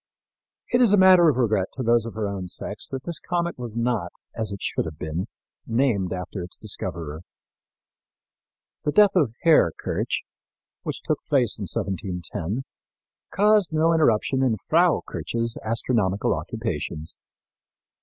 It is a matter of regret to those of her own sex that this comet was not, as it should have been, named after its discoverer. The death of Herr Kirch, which took place in 1710, caused no interruption in Frau Kirch's astronomical occupations.